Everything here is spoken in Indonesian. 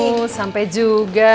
aduh sampai juga